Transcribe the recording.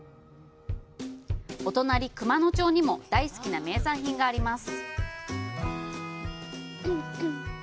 お隣、熊野町にも大好きな名産品があります。